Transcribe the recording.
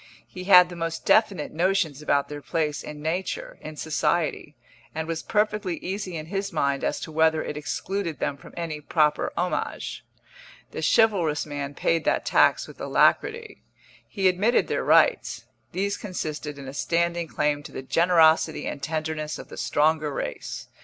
He had the most definite notions about their place in nature, in society, and was perfectly easy in his mind as to whether it excluded them from any proper homage. The chivalrous man paid that tax with alacrity. He admitted their rights; these consisted in a standing claim to the generosity and tenderness of the stronger race.